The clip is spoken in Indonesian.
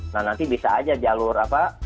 nah nanti bisa aja jalur apa